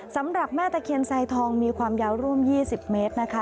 สำหรับแม่ตะเคียนไซทองมีความยาวร่วม๒๐เมตรนะคะ